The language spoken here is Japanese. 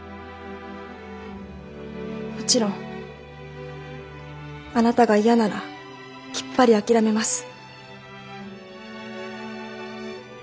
もちろんあなたが嫌ならきっぱり諦めます。